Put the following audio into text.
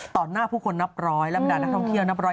ต่อหน้าผู้คนนับร้อยรับบัญญาณนักท่องเที่ยวนับร้อย